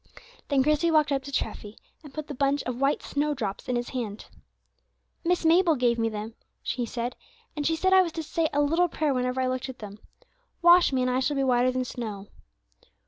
Then Christie walked up to Treffy, and put the bunch of white snowdrops in his hand. "Miss Mabel gave me them," he said, "and she said I was to say a little prayer whenever I looked at them: 'Wash me, and I shall be whiter than snow.'"